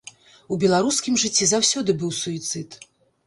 У беларускім жыцці заўсёды быў суіцыд.